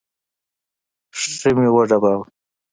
ښه مې وډباوه.